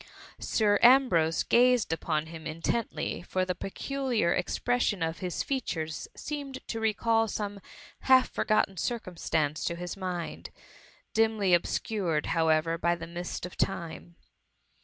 Sir Ambrose gazed upon him intently, for the peculiar expression of his features seeniF ed to recall some half forgotten circumstance to his mind, dimly obscured, however, by the mist of time.